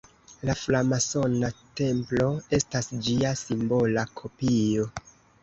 La framasona templo estas ĝia simbola kopio.